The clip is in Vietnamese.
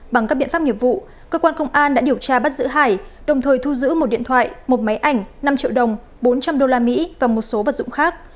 bằng các biện pháp nghiệp vụ cơ quan công an đã điều tra bắt giữ hải đồng thời thu giữ một điện thoại một máy ảnh năm triệu đồng bốn trăm linh usd và một số vật dụng khác